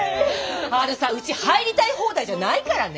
あのさうち入りたい放題じゃないからね。